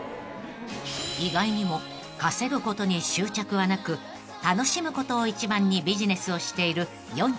［意外にも稼ぐことに執着はなく楽しむことを一番にビジネスをしている４２歳］